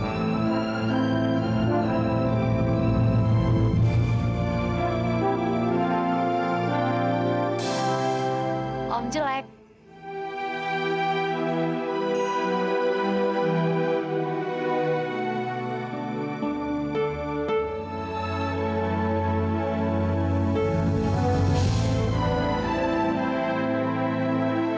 siapa semua anaknya di foundation beds